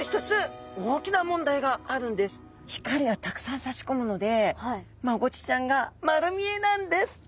光がたくさんさし込むのでマゴチちゃんが丸見えなんです。